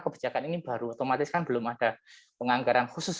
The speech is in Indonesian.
kebijakan ini baru otomatis kan belum ada penganggaran khusus